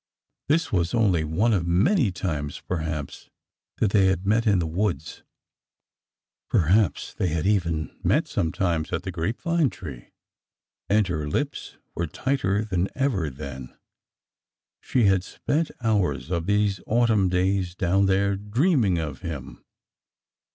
... This was only one of many times, perhaps, that they had met in the woods. ... Perhaps they had even met sometimes at the DAVID — 241 grape vine tree!— and her lips were tighter than ever then. She had spent hours of these autumn days down there, dreaming of him.